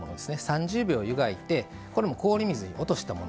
３０秒湯がいてこれも氷水に落としたもの